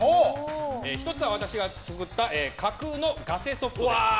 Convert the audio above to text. １つは私が作った架空のガセソフトです。